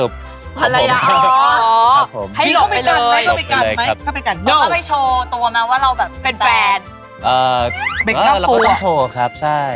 ไม่มีกล้า